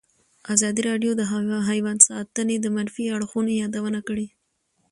ازادي راډیو د حیوان ساتنه د منفي اړخونو یادونه کړې.